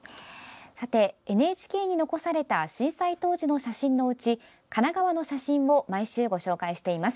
ＮＨＫに残された震災当時の写真のうち神奈川の写真を毎週ご紹介しています。